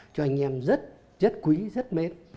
cho anh em rất quý rất mến